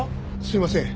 すいません。